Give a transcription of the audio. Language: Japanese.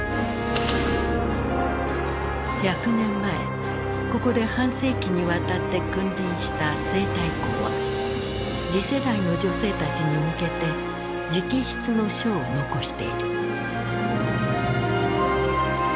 １００年前ここで半世紀にわたって君臨した西太后は次世代の女性たちに向けて直筆の書を残している。